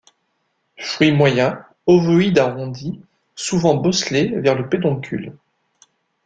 Fruit moyen, ovoïde-arrondi, souvent bosselé vers le pédoncule.